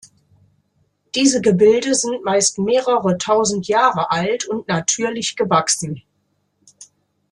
Diese Gebilde sind meist mehrere tausend Jahre alt und „natürlich gewachsen“.